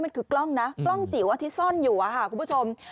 มันคือกล้องนะกล้องจิ๋วที่ซ่อนอยู่ค่ะคุณผู้ชม